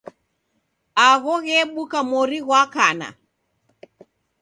Agho ghebuka mori ghwa kana.